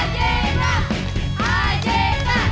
gak jelas banget kan